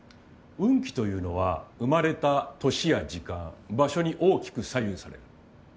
運気というのは生まれた年や時間場所に大きく左右される。